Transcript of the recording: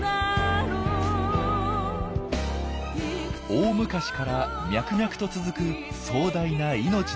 大昔から脈々と続く壮大な命のつながり。